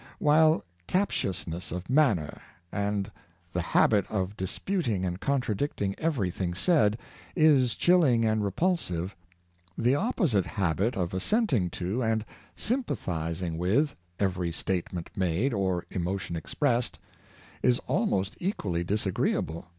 While captiousness of manner, and the habit of dis puting and contradicting every thing said, is chilling and repulsive, the opposite habit of assenting to, and sympathizing with, every statement made, or emotion expressed, is almost equally disagreeable.